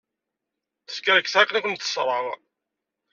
Skerkseɣ akken ad kent-ṣṣreɣ.